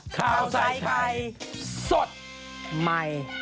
ข่าวใส่ไข่สดใหม่